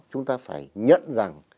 chúng ta phải nhận rằng